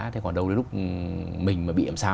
thế còn đâu đến lúc mình mà bị ẩm sao